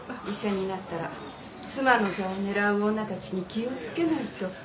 医者になったら妻の座を狙う女たちに気を付けないと。